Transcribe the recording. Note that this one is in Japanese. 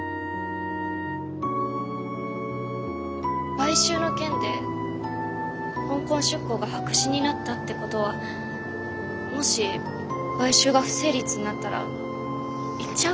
買収の件で香港出向が白紙になったってことはもし買収が不成立になったら行っちゃうかもしれないってこと？